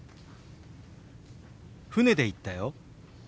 船で行ったよ。